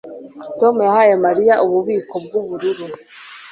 Tom yahaye Mariya ububiko bwubururu